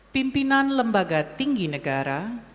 pimpinan lembaga tinggi negara